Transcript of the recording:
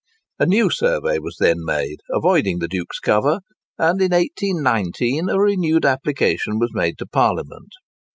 A new survey was then made, avoiding the Duke's cover; and in 1819 a renewed application was made to Parliament.